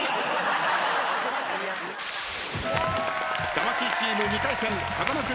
魂チーム２回戦風間君